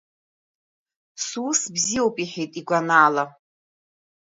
Сус бзиоуп иҳәеит игәанала.